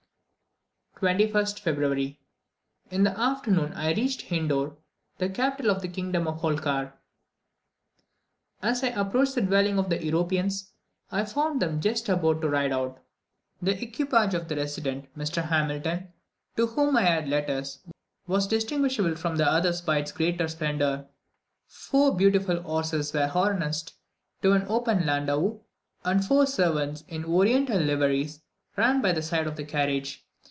21st February. In the afternoon I reached Indor, the capital of the kingdom of Holkar. As I approached the dwelling of the Europeans, I found them just about to ride out. The equipage of the resident, Mr. Hamilton, to whom I had letters, was distinguishable from the others by its greater splendour. Four beautiful horses were harnessed to an open landau, and four servants, in Oriental liveries, ran by the side of the carriage.